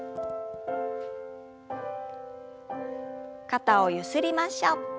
肩をゆすりましょう。